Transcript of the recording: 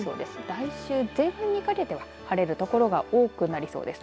来週、前半にかけて晴れる所が多くなりそうです。